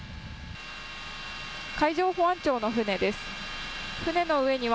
海上保安庁の船です。